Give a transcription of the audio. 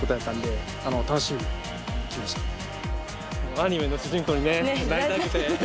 アニメの主人公にねなりたくて来ました。